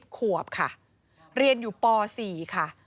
ขวบค่ะเรียนอยู่ป๔ค่ะ